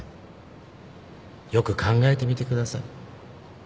よく考えてみてください。